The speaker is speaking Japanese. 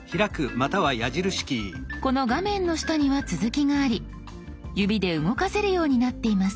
この画面の下には続きがあり指で動かせるようになっています。